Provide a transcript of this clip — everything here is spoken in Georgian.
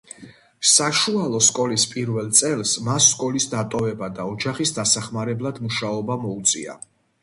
საშუალო სკოლის პირველ წელს, მას სკოლის დატოვება და ოჯახის დასახმარებლად მუშაობა მოუწია.